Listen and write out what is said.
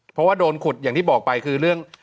เพราะว่าโดนขุดอย่างที่บอกไปคือเรื่อง